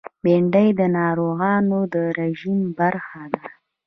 بېنډۍ د ناروغانو د رژیم برخه ده